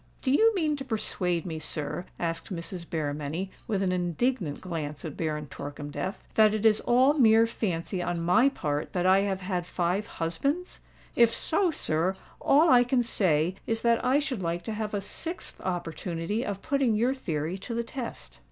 "Do you mean to persuade me, sir," asked Mrs. Berrymenny, with an indignant glance at Baron Torkemdef, "that it is all mere fancy on my part that I have had five husbands? If so, sir, all I can say is that I should like to have a sixth opportunity of putting your theory to the test."